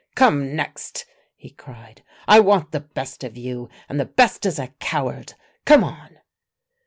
"Come next," he cried; "I want the best of you and the best is a coward. Come on!"